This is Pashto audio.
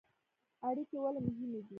اړیکې ولې مهمې دي؟